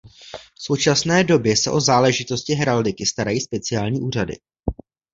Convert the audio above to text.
V současné době se o záležitosti heraldiky starají speciální úřady.